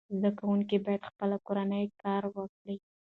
زده کوونکي باید خپل کورنی کار وکړي.